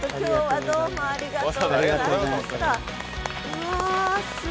ありがとうございます。